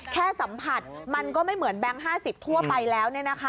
แค่สัมผัสมันก็ไม่เหมือนแบงค์๕๐ทั่วไปแล้ว